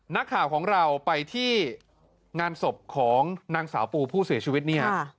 นักข่าวของเราไปที่งานศพของนางสาวปูผู้เสียชีวิตเนี่ย